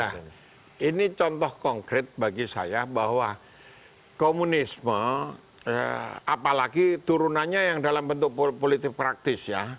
nah ini contoh konkret bagi saya bahwa komunisme apalagi turunannya yang dalam bentuk politik praktis ya